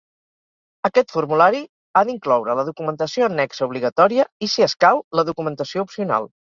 Aquest formulari ha d'incloure la documentació annexa obligatòria i, si escau, la documentació opcional.